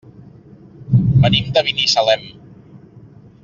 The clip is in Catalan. Venim de Binissalem.